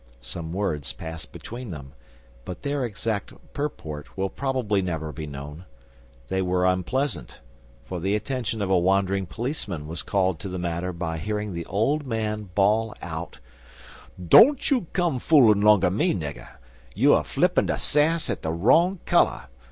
Some words passed between them, but their exact purport will probably never be known. They were unpleasant, for the attention of a wandering policeman was called to the matter by hearing the old man bawl out: "Don't you come foolin' longer me, nigger. You er flippin' yo' sass at de wrong color.